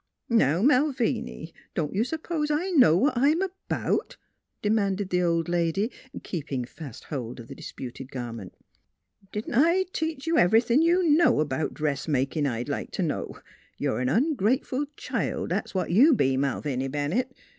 " Now, Malviny, don't you s'pose I know what I'm 'bout? " demanded the old lady, keeping fast hold of the disputed garment. " Didn't I teach ye ev'rythin' you know 'bout dressmakin', I'd like t' know? You're a ongrateful child; that's what you be, Malviny Bennett.